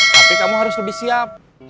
tapi kamu harus lebih siap